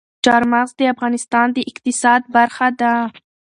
چار مغز د افغانستان د اقتصاد برخه ده.